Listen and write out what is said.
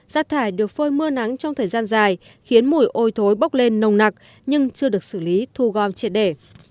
rác thải được phơi mưa nắng trong thời gian dài khiến mùi hôi thối bốc lên nồng nặc nhưng chưa được xử lý thu gom triệt để